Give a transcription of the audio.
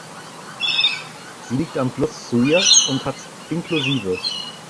Sie liegt am Fluss Suir und hat incl.